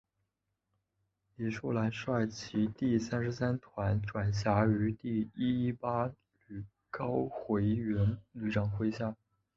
李树兰率其第三十三团转辖于第一一八旅高魁元旅长麾下。